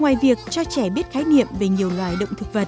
ngoài việc cho trẻ biết khái niệm về nhiều loài động thực vật